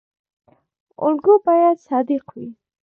الګو باید صادق وي